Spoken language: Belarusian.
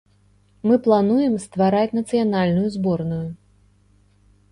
Мы плануем ствараць нацыянальную зборную.